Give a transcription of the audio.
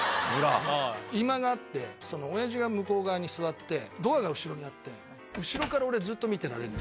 居間があって親父が向こう側に座ってドアが後ろにあって後ろから俺はずっと見てられるのよ